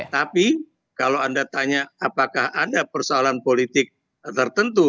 tapi kalau anda tanya apakah ada persoalan politik tertentu